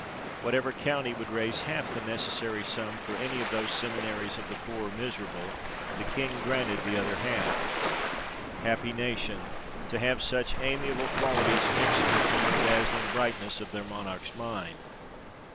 Whatever county would raise half the H 98 THE REIGN OF GEORGE VI. necessary sum for any of those seminaries of the poor or miserable, the King granted the other half. Happy nation ! to have such amiable qualities mixt with the more dazzling brightness of their Monarch's mind